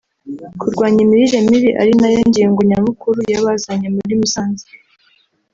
kurwanya imirire mibi ari nayo ngingo nyamukuru yabazanye muri Musanze